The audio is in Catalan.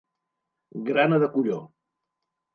Grana de colló.